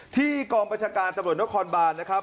กองประชาการตำรวจนครบานนะครับ